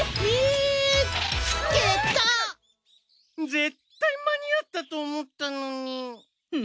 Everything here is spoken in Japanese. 絶対間に合ったと思ったのに。